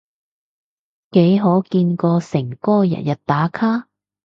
幾可見過誠哥日日打卡？